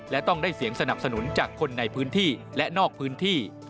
และต้องได้เสียงสนับสนุนจากคนในพื้นที่และนอกพื้นที่